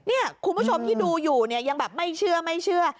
นี่คุณผู้ชมที่ดูอยู่เนี่ยยังแบบไม่เชื่อ